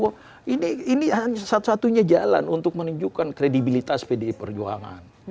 wah ini satu satunya jalan untuk menunjukkan kredibilitas pdi perjuangan